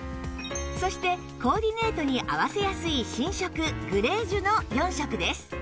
そしてコーディネートに合わせやすい新色グレージュの４色です